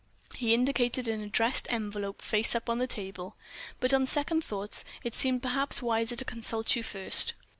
He indicated an addressed envelope face up on the table. "But on second thoughts, it seemed perhaps wiser to consult you first."